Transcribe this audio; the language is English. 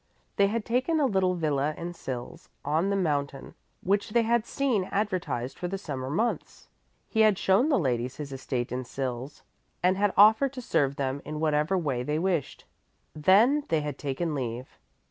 They had taken a little villa in Sils on the mountain, which they had seen advertised for the summer months. He had shown the ladies his estate in Sils and had offered to serve them in whatever way they wished. Then they had taken leave.